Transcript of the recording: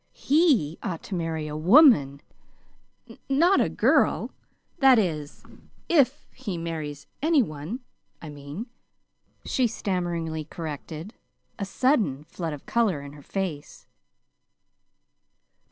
He ought to marry a woman, not a girl that is, if he marries any one, I mean," she stammeringly corrected, a sudden flood of color in her face.